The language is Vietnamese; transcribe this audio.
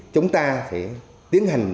chúng ta sẽ tiến hành